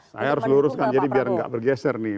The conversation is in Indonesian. saya harus luruskan jadi biar nggak bergeser nih